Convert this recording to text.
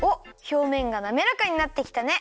ひょうめんがなめらかになってきたね。